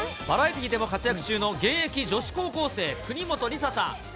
バラエティーでも活躍中の現役女子高校生、国本梨紗さん。